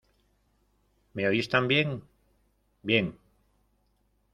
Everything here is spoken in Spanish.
¿ Me oís también? Bien.